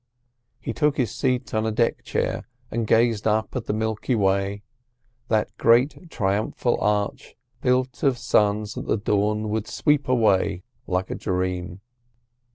He took his seat on a deck chair and gazed up at the Milky Way, that great triumphal arch built of suns that the dawn would sweep away like a dream.